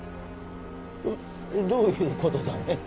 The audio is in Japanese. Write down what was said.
えっどういうことだね？